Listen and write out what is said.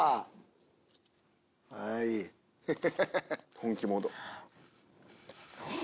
本気モード。